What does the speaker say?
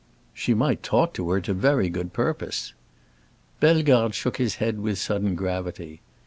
"She might talk to her to very good purpose." Bellegarde shook his head with sudden gravity.